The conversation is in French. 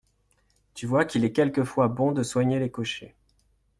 Tu vois qu’il est quelquefois bon de soigner les cochers.